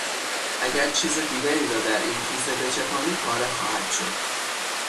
اگر چیز دیگری را در این کیسه بچپانی پاره خواهد شد.